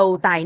tại nước tăng